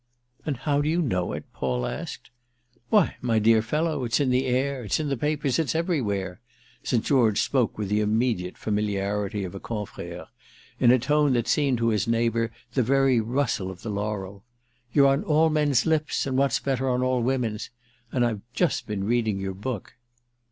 "And how do you know it?" Paul asked. "Why, my dear fellow, it's in the air, it's in the papers, it's everywhere." St. George spoke with the immediate familiarity of a confrère—a tone that seemed to his neighbour the very rustle of the laurel. "You're on all men's lips and, what's better, on all women's. And I've just been reading your book."